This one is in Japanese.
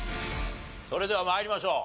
それでは参りましょう。